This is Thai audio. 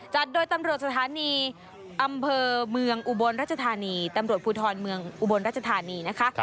จัดโดยตำรวจสถานีอำเภอเมืองอุบลรัชธานีตำรวจภูทรเมืองอุบลรัชธานีนะคะ